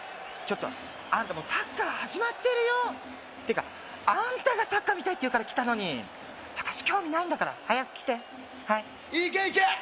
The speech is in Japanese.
ちょっとあんたもうサッカー始まってるよてかあんたがサッカー見たいって言うから来たのに私興味ないんだから早く来てはいいけいけ！